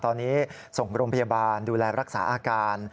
ตอนนี้ส่งโรงพยาบาลดูแลรักษาอาการ